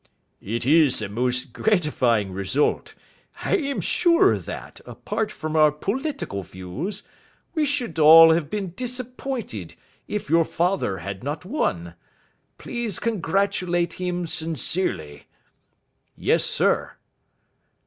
"It is a most gratifying result. I am sure that, apart from our political views, we should all have been disappointed if your father had not won. Please congratulate him sincerely." "Yes, sir."